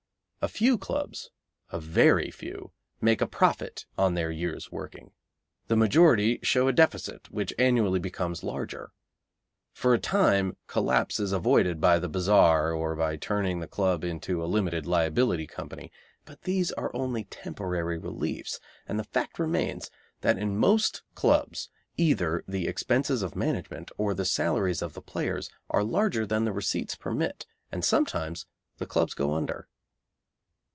A few clubs, a very few, make a profit on their year's working. The majority show a deficit which annually becomes larger. For a time collapse is avoided by the bazaar or by turning the club into a limited liability company, but these are only temporary reliefs, and the fact remains that in most clubs either the expenses of management or the salaries of the players are larger than the receipts permit, and sometimes the clubs go under.